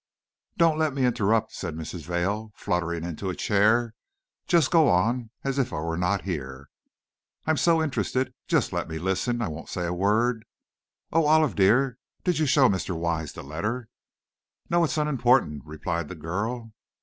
"Don't let me interrupt," said Mrs. Vail, fluttering into a chair. "Just go on as if I were not here. I'm so interested, just let me listen! I won't say a word. Oh, Olive dear, did you show Mr. Wise the letter?" "No; it's unimportant," replied the girl.